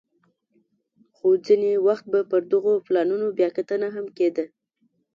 خو ځیني وخت به پر دغو پلانونو بیا کتنه هم کېده